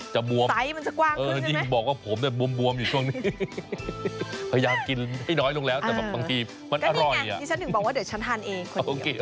ชวนหน้ายังมีเรื่องราวของของกินอีก